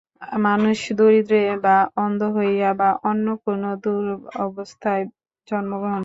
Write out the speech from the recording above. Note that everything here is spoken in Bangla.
মানুষ দরিদ্র বা অন্ধ হইয়া বা অন্য কোন দূরবস্থায় জন্মগ্রহণ করে।